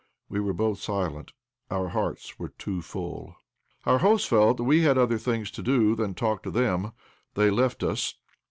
We were both silent, our hearts were too full. Our hosts felt we had other things to do than to talk to them; they left us.